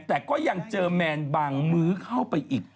แต่ก็ยังเจอแมนบางมื้อเข้าไปอีก